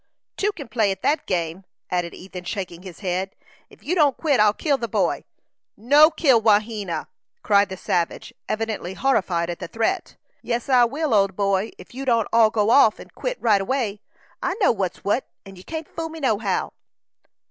"Two kin play at that game," added Ethan, shaking his head. "Ef you don't quit, I'll kill the boy." "No kill Wahena!" cried the savage, evidently horrified at the threat. "Yes, I will, old boy, ef you don't all go off, and quit right away. I know what's what, 'n you can't fool me, nohow."